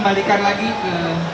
berikan lagi ke